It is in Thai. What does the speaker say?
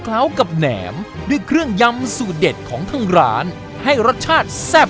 นี่คือเมนูแหน่มข้าวทอดอังนะคะครับในราคา๑๒๙บาท